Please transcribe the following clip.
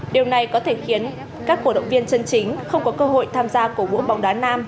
điều này có thể khiến các cổ động viên chân chính không có cơ hội tham gia cổ vũ bóng đá nam